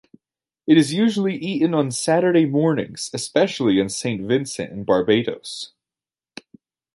It is usually eaten on Saturday mornings, especially in Saint Vincent and Barbados.